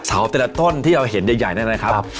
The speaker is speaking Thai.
แต่ละต้นที่เราเห็นใหญ่นั่นนะครับ